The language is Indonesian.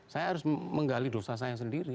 saya harus menggali dosa saya sendiri